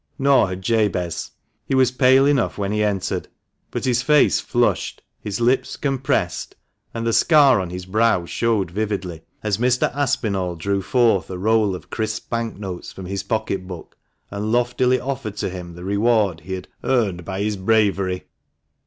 Nor had Jabez. He was pale enough when he entered, but his face flushed, his lips compressed, and the scar on his brow showed vividly, as Mr. Aspinall drew forth a roll of crisp bank notes from his pocket book, and loftily offered to him the reward he had "earned by his bravery."